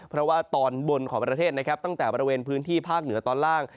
เพราะว่าตอนบนของประเทศนะครับตั้งแต่บริเวณพื้นที่ภาคเหนือตอนล่าง